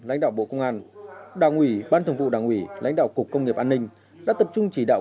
lãnh đạo bộ công an đảng ủy ban thường vụ đảng ủy lãnh đạo cục công nghiệp an ninh đã tập trung chỉ đạo